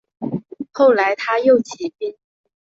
后来他又起兵。